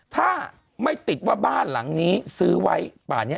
ถ้าไม่ติดว่าบ้านหลังนี้ซื้อไว้ป่านี้